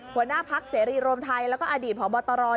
หัวหน้าพักเสรีรวมไทยแล้วก็อดีตพบตร